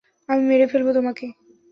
আমি মেরে ফেলবো তোমাকে।